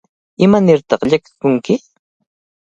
¿Imanirtaq llakikunki?